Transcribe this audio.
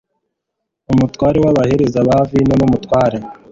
umutware w abahereza ba vino n umutware